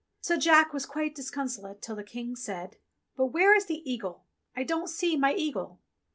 So Jack was quite disconsolate till the King said, "But where is the eagle ? I don't see my eagle."